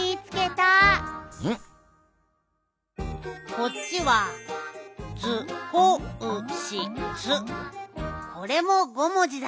こっちはこれも５もじだ。